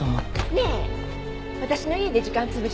ねえ私の家で時間潰したら？